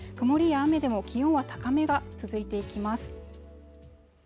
曇りや雨でも気温は高めが続いていきます